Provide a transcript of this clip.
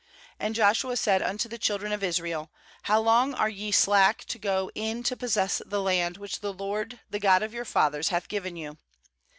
3And Joshua said unto the children of Israel :' How long are ye slack to go in to possess the land, which the LORD, the God of your fathers, hath given you?